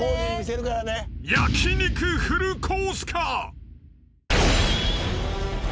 ［焼き肉フルコースか？］